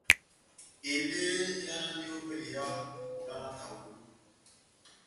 Elé ehánandi ópɛlɛ ya iha dá konda na tahuli.